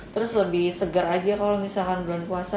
terus lebih segar aja kalau misalkan bulan puasa